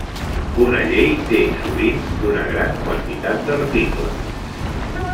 Una llei té sovint una gran quantitat d'articles.